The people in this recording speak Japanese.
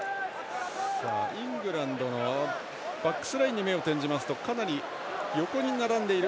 イングランドのバックスラインはかなり横に並んでいる。